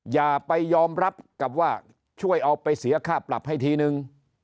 อย่าไปยอมรับกับว่าช่วยเอาไปเสียค่าปรับให้ทีนึง